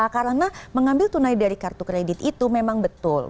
karena mengambil tunai dari kartu kredit itu memang betul